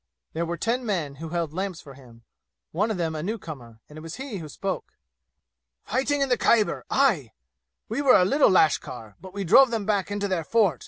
There were ten men who held lamps for him, one of them a newcomer, and it was he who spoke. "Fighting in the Khyber! Aye! We were a little lashkar, but we drove them back into their fort!